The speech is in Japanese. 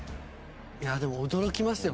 いやでも驚きますよ